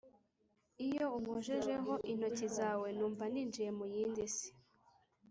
iyo unkojejeho intoki zawe numva ninjiye mu yindi si